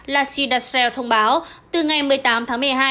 lachita shrell thông báo từ ngày một mươi tám tháng một mươi hai